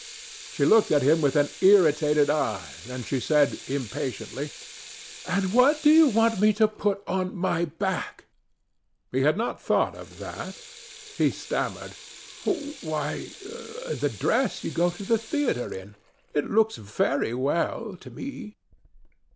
She looked at him with an irritated eye, and she said, impatiently: "And what do you want me to put on my back?" He had not thought of that; he stammered: "Why, the dress you go to the theater in. It looks very well, to me."